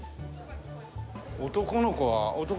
男の子は。